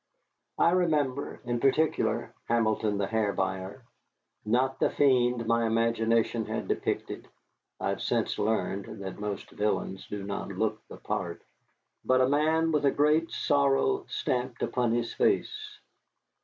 I remember, in particular, Hamilton the Hair Buyer. Not the fiend my imagination had depicted (I have since learned that most villains do not look the part), but a man with a great sorrow stamped upon his face.